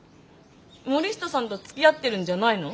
森下さんとつきあってるんじゃないの？